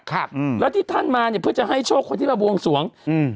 ครับอืมแล้วที่ท่านมาเนี้ยเพื่อจะให้โชคคนที่มาบวงสวงอืม